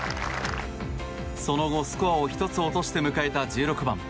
その後、スコアを１つ落として迎えた１６番。